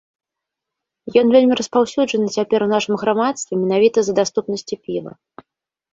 Ён вельмі распаўсюджаны цяпер у нашым грамадстве менавіта з-за даступнасці піва.